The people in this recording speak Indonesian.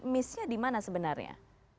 misalnya dimana sebenarnya